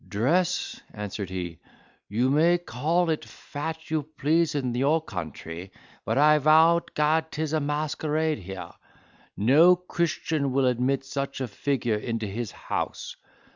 "Dress," answered he, "you may caal it fat you please in your country, but I vow to Gad 'tis a masquerade here. No Christian will admit such a figure into his house.